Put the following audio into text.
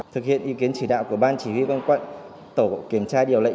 cảm ơn các bạn đã theo dõi và hẹn gặp lại